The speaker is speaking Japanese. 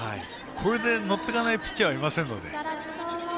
これで乗っていかないピッチャーはいませんので。